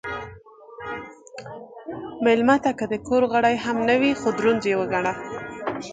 مېلمه ته که د کور غړی هم نه وي، خو دروند وګڼه.